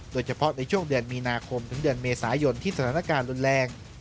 โดยเฉพาะในช่วงเดือนมีนาคมถึงเดือนเมษายนที่สถานการณ์รุนแรง